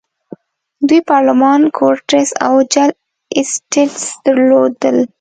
دوی پارلمان، کورټس او جل اسټټس درلودل.